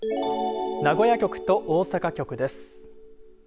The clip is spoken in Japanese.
名古屋局と大阪局です。